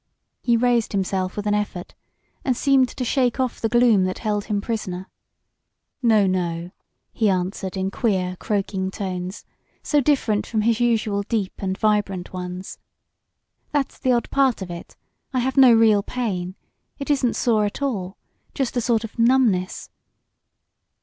He raised himself with an effort, and seemed to shake off the gloom that held him prisoner. "No no," he answered in queer, croaking tones, so different from his usual deep and vibrant ones. "That's the odd part of it. I have no real pain. It isn't sore at all just a sort of numbness."